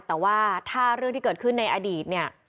แต่ว่าถ้าเรื่องที่เกิดขึ้นในอดีตเนี่ย